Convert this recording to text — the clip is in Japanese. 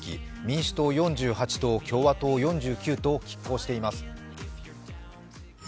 民主党４８と共和党４９と拮抗しています。